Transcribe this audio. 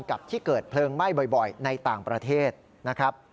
กับที่เกิดเพลิงไหม้บ่อยในต่างประเทศนะครับ